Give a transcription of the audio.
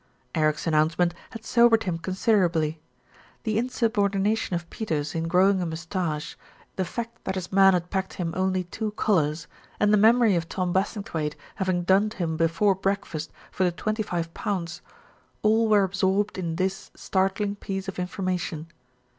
Eric's announcement had sobered him considerably. The insubordination of Peters in growing a moustache, 332 THE RETURN OF ALFRED the fact that his man had packed him only two collars, and the memory of Tom Bassingthwaighte having dunned him before breakfast for the twenty five pounds; all were absorbed in this startling piece of in formation.